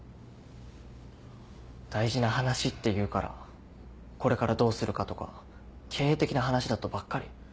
大事な話って言うからこれからどうするかとか経営的な話だとばっかり。